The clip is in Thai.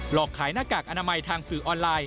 อกขายหน้ากากอนามัยทางสื่อออนไลน์